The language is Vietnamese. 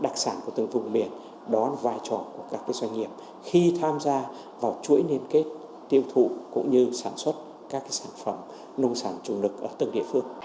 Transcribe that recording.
đặc sản của từng vùng biển đó là vai trò của các doanh nghiệp khi tham gia vào chuỗi liên kết tiêu thụ cũng như sản xuất các sản phẩm nông sản chủ lực ở từng địa phương